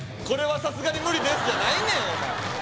これはさすがに無理ですじゃないねん